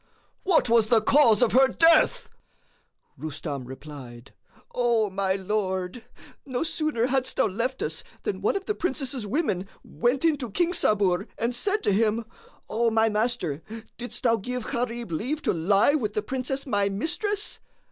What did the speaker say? "What was the cause of her death?" Rustam replied, "O my lord, no sooner hadst thou left us than one of the Princess's women went in to King Sabur and said to him,:—O my master, didst thou give Gharib leave to lie with the Princess my mistress?